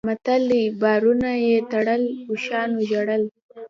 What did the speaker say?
متل دی: بارونه یې تړل اوښانو ژړل.